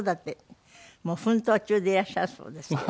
もう奮闘中でいらっしゃるそうですけど。